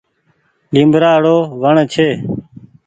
ليبڙآ رو وڻ ڇي۔